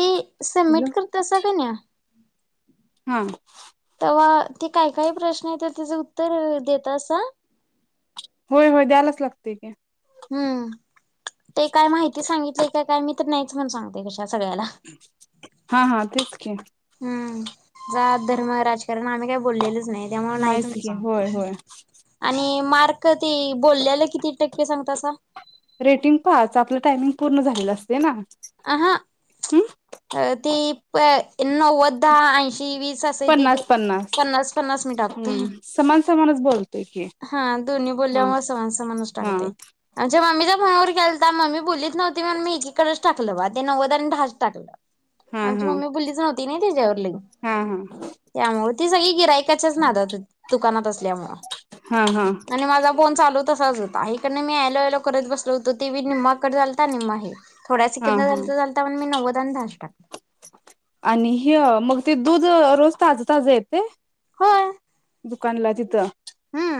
ते सम्मिट करतासा कनी. हम्म. तवा ते काय काय प्रश्न येत्यात तेच उत्तर देतासा? होय होय द्यायलाच लागतय की. हम्म ते काय माहिती सांगितलय काय काय मी तर नाहीच म्हणून सांगते बाई. हा हा तेच हम्म. हम्म, जात, धर्म, राजकारण आम्ही काय बोललेलच च नाही त्यामुळे नाहीच म्हणून की सांगते होय होय आणि मार्क ते बोलल्याल किती टक्के सांगतासा? रेटिंग पाच आपलं टायमिंग पूर्ण झालेलं असतय ना. अहा हम् ते ते वीस अस येतय, ते पन्नास, पन्नास मी टाकतय हम्म समान समानच बोलतोय की हा दोन्ही ह बोलल्यामुळे समान, समानच हा टाकतय आमच्या मम्मीच्या फोनवर केलता मम्मी, बोललीच न्हवती म्हणून मी एकीकडच टाकलं बा ते नवद, आणि दहा, च टाकलं. हा आमची हा मम्मी भुलीच नव्हती ना त्याच्यावर लई, हा हा त्यामुळे ती सगळी गिरायकाच्याच नादात होती, दुकानात अस. लेमो हा हा आणि माझा फोन चालू तसाच होता हीकडन मी हॅलो, हॅलो करत बसलो होतो, तेबी निम्माकट झालता निम्मा हे हा थोड्यासिकंद हा झालता, झालता म्हणून मी नव्वद आणि धाच टाक. आणि हे मग ते दूध रोज ताज, ताज येतय होय. दुकानला तिथं हूं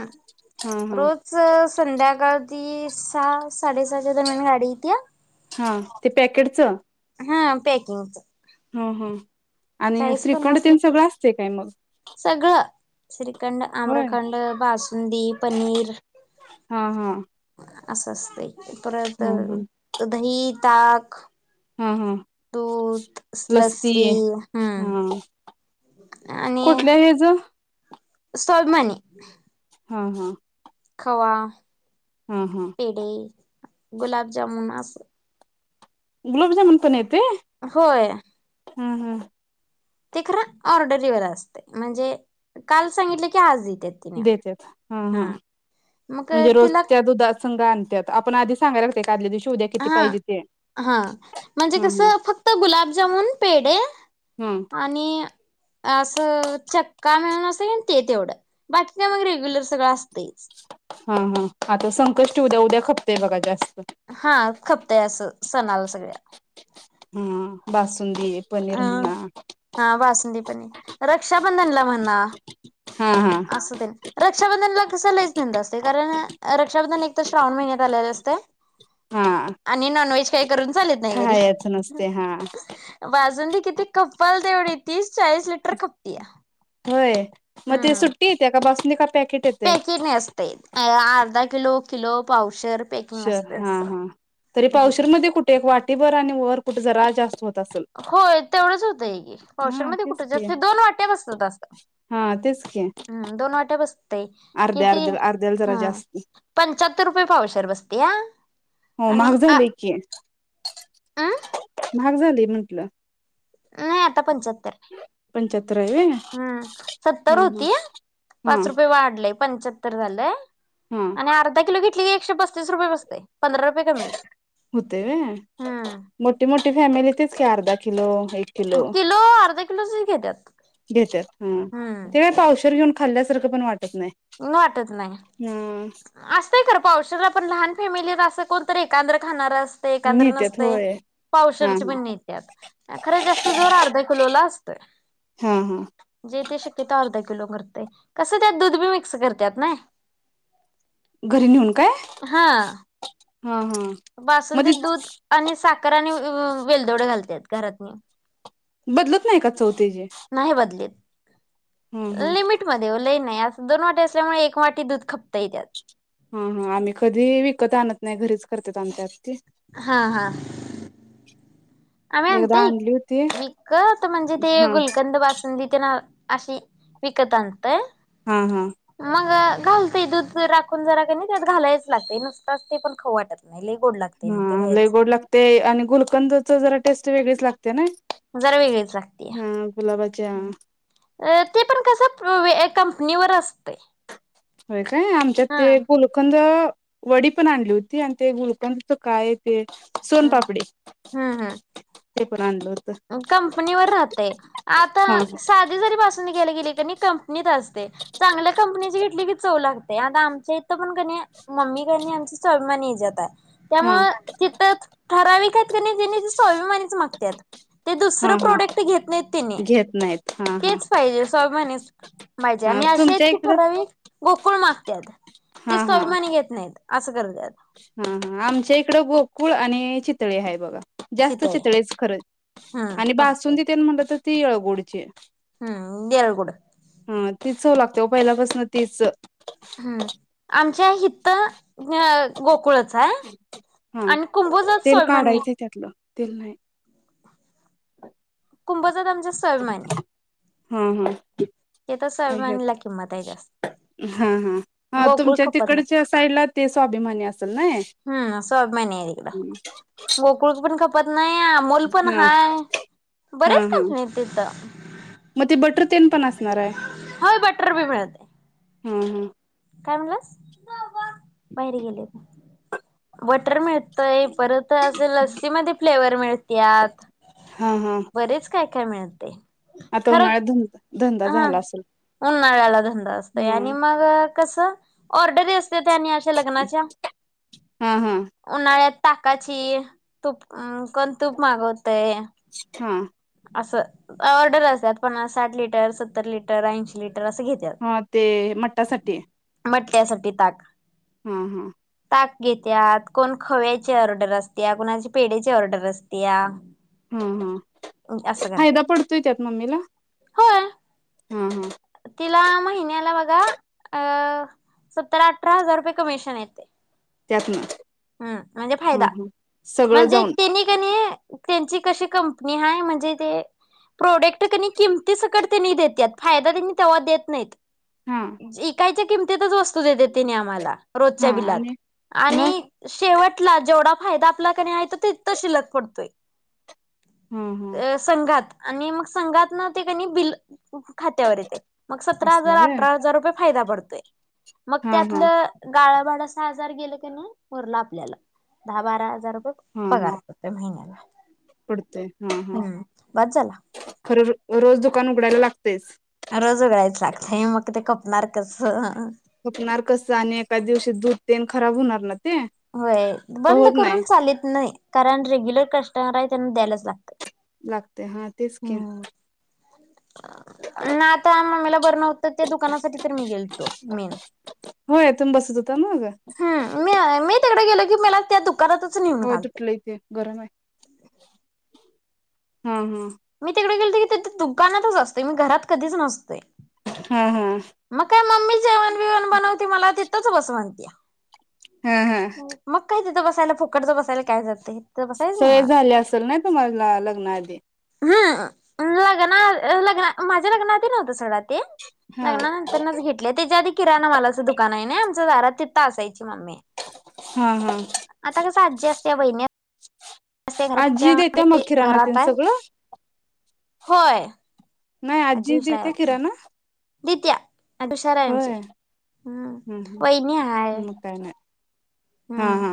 हा हा रोजच संध्याकाळ ती सहा साडेसहाच्या, दरम्यान गाडी येतीया. हा ते पॅकेटच हा पॅकिंगच. हूं! आणि चाळीस श्रीखंड, पन्नास तेन लिटर सगळं असतय काय मग. श्री खंड, होय आम्रखंड, बासुंदी, पनीर हा हा असं असतय. परत ह ह अ दही, ताक हा हा दूध, लस्ती लस्सी हम्म हा कुठल्या हेज. सोलमनी. हा हा! खवा, हा पे गुलाब जामुन, अस. गुलाबजामुन पण ये होय. हूं हूं! ते खर ऑर्डरीवर असतय, म्हणजे काल सांगितल की आज येईल. देत्यात हं हं मग म्हणजे रोज तिला त्या दुधाच फंग आनत्यात, आपण आदी सांगायला लागतय, एक आदल्या दिवशी उद्या अ किती पाहिजे ते हां म्हंजे हा हा कसं फक्त गुलाबजामुन, पेडे हा आणि आसं चक्का म्हणुन, असत कनई ते तेवढं, बाकी काय मग रेग्युलर सगळं असतयच. हांहां आता संकष्टी उद्या, उद्या खपतंय बघा जास्त. हां खपतय असं सणाला सगळ्या हम्म बास अं हां बासुंदी पनीर रक्षाबंधनला म्हण ना हा हा असुदे रक्षाबंधनला कस लईच धंदा असतय कारण रक्षाबंधन एक तर श्रावण महिन्यात आलेल असतय आणि नॉनव्हेज काही करून चालत नाही खायाच नसतय हां बासुंदी‌ किती खप्पल तेवढी तीस चाळीस लिटर खपतीया होय म ती सुट्टी येत्या काय बासु [unintelligible] पॅकिंग असतय काय अर्धा किलो किलो पाव पावशेर हां हां तरी पावशेरमध्ये कुठे एक वाटी भर आणि वर कुठं जरा जास्त हो होय तेवढच होतंयकी हा पावशेरमध्ये तेच कुठे की जास्त दोन वाट्या बसतात असं हा तेच की हम् दोन वाट्या बसत तय अर्ध्या किती अर्ध्या अर्ध्याला जरा हां जास्ती पंचाहत्तर रुपये पावशेर बसतिया हो महाग झालयकी अं महाग झालय म्हंटल नाई आता पंचाह त्तर पंच्याहत्तर आहे व्हय हम्म सत्तर हा होती हा हा पाच रुपये वाढलय पंच्याहत्तर झालय हा आणि अर्धा किलो घेट ते एकशे पस्तीस रुपये बसतय पंधरा रुपये कमी होते. होतय व्हय हम्म मोटी मोटी फॅमिली तेच ते अर्धा किलो अ किलो अर्धा किलो स घ्येत्यात घेत्यात हम्म ते पावशर घेऊन खाल्ल्यासारखं पण वाट वाटत नाही असतय खरं पावशरला पण लहान फॅमिलीत असं कोणतरी एकांद्र खाणार अस ते एकंदर नेत्यात नसतय होय हा पावशेरची पण नेत्यात खर जास्त जोर अर्धा किलोला असतोय हा हा जे ते शक्यतो अर्धा किलो कर कसं त्यात दूध बी वि अस करत्यात नय. घरी नेऊन काय. हा हा मग ते बासुंदीत दूध आणि साखर आणि ऊ ऊ वेलदोडे घालत्यात घरातनी. बदलत नाही का चव तेजी नाही [unintelligible] बदलीत. हम्म हम्. लिमिट मध्ये ओ लई नाही अस दोन वाटी असल्यामुळे एक वाटी दूध खपतई त्यात. हा हां आम्ही कधी विकत आणत नाय घरीच करत आमच्यात ते. हा हा. आम्ही एकदा आणतय आणली होती विकत म्हणजे ते हा गुलकंद बासुंदी [unintelligible] अशी विकत आणतय? हा हा मंग घालते दूध राखून जरा कणी त्या घालायच लागतय नुसताच ते पण खाऊ वाटत नाही. लई गोड लागते मग ते हा लय बाहेरच गोड लागतेय आणि गुलकंदच जरा टेस्ट वेगळीच लाग जरा वेगळीच लागत्या गुलाबाच्या ते पण कस [unintelligible] कंपनीवर असतय. होय काय आमच्यात ते गुलकंद वडी पण आणली होती आणि ते गुलकंद काय ते हम सोनपापडी हम्म हम. ते पण आणलं होतं कंपनीवर राहतय आता हा साधी जरी बासुंदी घ्यायला गेली कणी कंपनीत अस चांगल्या कंपनीची घेतली की चव लागते आता आमच्या इथं पण कणी मम्मी कणी आमची स्वाभिमानी हीजाता हाय. हा त्यामुळे तिथंच ठराविक त्यात कणी तेनी स्वाभिमानीच मागत्यात. ते हा दुसरं हा प्रोडक्ट घेत नाहीत तेनी घेत नाहीत हा हा तेच पाहिजे स्वाभिमानीच पाहिजे हा आणि असे तुमच्या आहेत की इकडं ठराव गोकुळ मागत्यात ते हा हा स्वाभिमानी घेत नाहीत. अआसं कर हा हा आमच्या इकड गोकुळ आणि चित तळी हाय बघा. जास्त सीताय चितळेच [unintelligible] हम्म आणि फक्त बासुंदी तेन म्हणल तर तीळ गुडचे हम्म देरगुड हा ति चव लाग त्यो पहिल्यापसन तीच होय गोकुळाच हाय हा आणि कुंभोजात तेल सोलमानी काढायचंय त्यातलं तेल नाही [inaudible] कुंभोजात आमच्या स्वाभिमानी ह, ह तिथं हयोत स्वाभिमानीला किंमत आहे जास्त हा, हा, हा गोकुळ तुमच्या खपत नाही. तिकडचे साईडला ते स्वाभिमानी अस हम्म स्वाभीमानी हाय एकदा गोकुळ पण खप नाही आमूल पण हा हाय हा बरेच हा कंपणी हाय्तं तीथ मग ते बटर तेन पण असणार आहे व्होय बटर बी मिळतय हा, हा काय म्हणलास बाहेर गेलेत बटर मिळत परत असे लस्सी मध्ये फ्लेवर मिळत्यात हा हा बरेच काय काय मिळतय आता खरं उन्हाळ्यात धुमत हा उन्हाळ्याला धंदा असतोय आणि हम्म मग कस ऑर्डरी अस त्यांनी अशा लग्नाच्या हा हा उन्हाळ्यात ताकाची तूप अ कोन तूप मागवत हा असं ऑर्डर असत्यात पन्नास साठ लिटर सत्तर लिटर ऐंशी लिटर असं घेत्यात. हा ते मठासाठी त्यासाठी ताक हम, हम ताक घेत्यात कोण खव्याची ऑर्डर असत्या कुणाची पेढ्याची ऑर्डर असत्या हा, हा असं करत्यात. फायदा पडतोय त्यात मम्मीला होय. हा, हा तिला महिन्याला बघा अ सत्तर अठरा हजार रुपये कमिशन येतय त्यातन ह म्हणजे हा फायदा हा सगळं म्हणजे जाऊन त्यांनी क त्यांची कशी क हाय म्हणजे ते प्रोडक्ट कणी किमती सकट त्यांनी देत्यात फायदा त्यांनी तेव्हा देत नाहीत. हा इकायच किमतीतच वस्तू देत्यात तिनी आम्हाला हा रोजच्या बिलात आणि मग आणि शेवटला जेवढा फायदा आपल्याकनि आहे तो तर शिल्लक पडतोय. हा हा अ संघात आणि मग संघातन ते कनी बिल खात्यावर येते मग सतरा असं हजार, आहे व्हय अठरा हजार रुपये फायदा पडतोय. मग हा हा त्यातलं गाळप थोडासा आजार गेल कनी उरलेलं आपल्याला दहा बारा हजार रुपये. पगार पडतोय महिन्याला पडतोय हं हं हम्म बास झाला खर. रोज दुकान उघडायला लागतेयच. रोज उघडायचं लागतय, मग ते खपणार कस. खपणार कस आणि एखाद दिवशी दूध तेन खराब होणार ना ते होय का बंद होत नाही करून चालीत नाही कारण रेग्युलर कस्टमर त्यांना द्यायलाच लाग लागते हा तेच की ना आता मम्मीला बरं नव्हतं ते दुकानासाठी तर मी गेल तो मी होय तुम्ही बसत होता मग तिकडं गेल की मलाच त्या दुक होय तुटलंय तेे गरम आहे. हम हम्. मी तिकडे गेल दुकानातच असतोय मी घरात कधीच नसतोय. हा हा. मग काय मम्मी जेवण बेवण बनवते मला तिथंच बस म्हनत्या. हा हा हो म काय. बसायला फुकटचं बसायला काय जातंय. तिथं बसायचं सवय निवांत. झाली असल ना तुम्हाला लग्नाआधी अ लग्ना लग्न माझ्या लग्ना नव्हतं सोडा ते हा लाग्ना नंतरनच घेतलय त्याच्या आधी किराणा मालाचं दुकान आहे ना आमचं दारात तित्ता असाय ची मम्मी, हा हा आता कसं अडजस्ट होईने आज्जी देते मग किराणा घरात तेन आहे सगळं? होय नाही आजी आज्जी हुशार आहे देते आमची किराणा. दित्या. [unintelligible] हाय आमची होय हम्म वहिनी हाय हम्म मग काय नाही हा हम्म. हा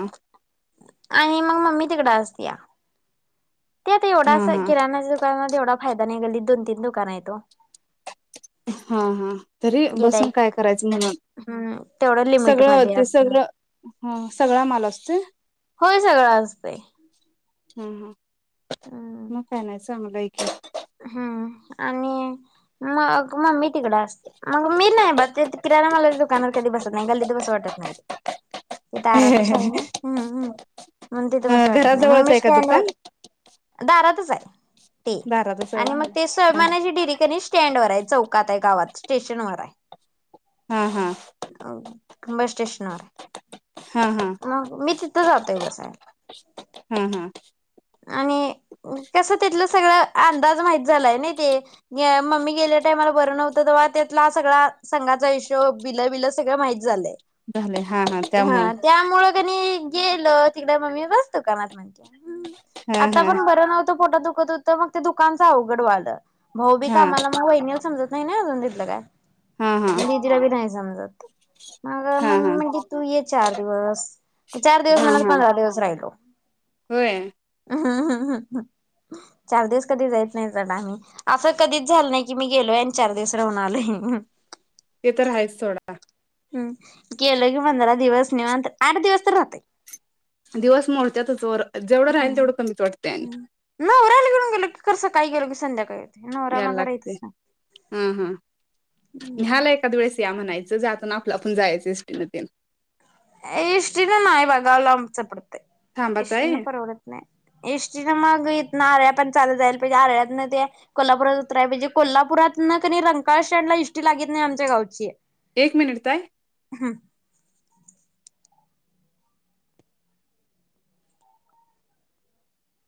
आणि म मम्मी तिकडं असत्या. त्यात हा एवढासा हा किराणाच दुकान व तेवढा फायदा नाही गल्लीत दोन तीन दुकानं आयेत ओ. हां हां तरी बसून काय गिराईक करायचं म्हणून हम्म तेवढं सगळं लिमिटमध्ये ते असणं सगळं हां सगळा माल असते. होय सगळं असतंय हा हा हम्म मग काय नाय चांगलं एक हम्म आणि मग मम्मी तिकडे असते मग मी नाही बा ते ती किराणा मला दुकानावर कधी बसत नाही गल्लीत बसू वाटत नाहीत. मी दारातच हाय ओ हम्म हम्म म्हन तिथं अ बसू वाटत नाही मन घराजवळच मी आहे का दुकान स्टँडवर दारातच हाय. दारातच. आहे आणि म ते हा स्वयमानाची डिटी कनी स्टँड वर हाय चौकात आय गा आ [unintelligible] वात स्टेशन वर आय. हा हा अं बस स्टेशन वर. हा हा मग मी तिथं जातोय बसायला. हम्म हम्म आणि कसं तिथंल सगळं आंदाज माहित झालाय नाई ते गें मम्मी गेल्या टायमाला बरं नव्हतं तेव्हा त्यातला सगळा संघाचा हिशोब बिलं बिलं सगळं माहित झालंय. झालंय हा हा त्यामुळं हां, त्यामुळं कनी गेलो तिकड मम्मी बस दुकानात म्हणत्या हम्म. हा आता हा पण बरं नव्हतं पोटात दुखत होतं मग ते दुकानचं अवघड वालं भाऊ बी हा कामाला मग वहिनील समजत नाही ना अजून तिथलं काय. हा हा दीदीला बी नाहीस समजत. मगं हा मम्मी हा म्हणती तू ये चार दिवस, चार दिवस हा म्हणत हा पंधरा दिवस राहिलो. होय चार दिवस कधी जायत नाही, [unintelligible] आसं कधीच झाल नाही की मी गेलोये आणि चार दिवस राहून आलोये. ते तर आहेच सोडा. हम्म गेलो की पंधरा दिवस निवांत आठ दिवस तर राहतय. दिवस मोडत्यातच वर. जेवढं राहील हम्म तेवढं कमीच वाटतंय आणि हम्म नवऱ्याला घेऊन गेल की कसं सकाळी गेलो की संध्याकाळी येतोय नवरा यायला माझा लागतंय राहीतच नाही. हा हा हम्म न्हयाला एखाद वळेस या म्हणाय च जाताना आपलं आपण जायच एस टी न तेन. एस टी नं नाय बघा लांबच थांबा पडतंय एस टी ताई न परवडत नाय एस टी नं माग इतना आऱ्याप पण चालत जायला पाहिजे आरळ्यातनं त्या कोल्हापुरात उतराय पाहिजे कोल्हापुरातनं कनी रंकाळ स्टॅन्ड ला एस टी लागत नाय आमच्या गावची एक मिनिट ताय